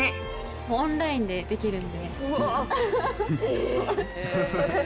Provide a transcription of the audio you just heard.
オンラインでできるんでフフフ！